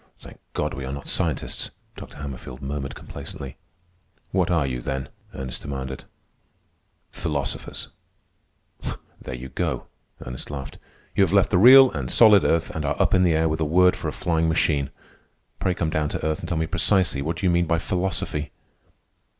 "Thank God we are not scientists," Dr. Hammerfield murmured complacently. "What are you then?" Ernest demanded. "Philosophers." "There you go," Ernest laughed. "You have left the real and solid earth and are up in the air with a word for a flying machine. Pray come down to earth and tell me precisely what you do mean by philosophy."